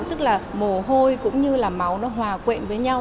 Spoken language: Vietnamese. tức là mồ hôi cũng như là máu nó hòa quện với nhau